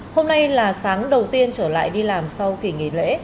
hôm nay là sáng đầu tiên trở lại đi làm sau kỳ nghỉ lễ